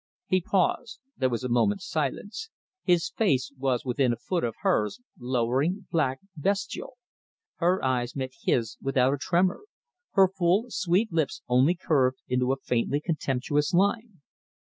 He paused. There was a moment's silence. His face was within a foot of hers, lowering, black, bestial. Her eyes met his without a tremor. Her full, sweet lips only curved into a faintly contemptuous line.